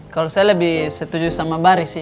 kalau saya lebih setuju sama baris sih